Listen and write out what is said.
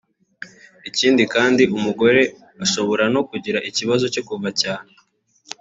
Ikindi kandi umugore ashobora no kugira ikibazo cyo kuva cyane